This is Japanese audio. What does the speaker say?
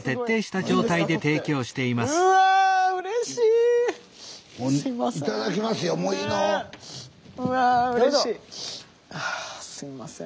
すいません。